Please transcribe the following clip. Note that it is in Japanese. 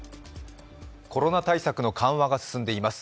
コロナ対策の緩和が進んでいます。